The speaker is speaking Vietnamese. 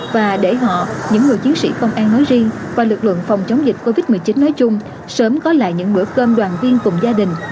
và để họ những người chiến sĩ công an nói riêng và lực lượng phòng chống dịch covid một mươi chín nói chung sớm có lại những bữa cơm đoàn viên cùng gia đình